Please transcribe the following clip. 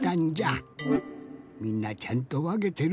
みんなちゃんとわけてる？